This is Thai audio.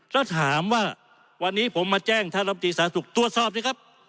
แล้วถามว่าวันนี้ผมมาแจ้งท่านลำตีสาธารณสุขตรวจสอบสิครับ